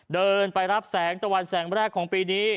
เดินไปรับแสงตะวันแสงแรกของปีนี้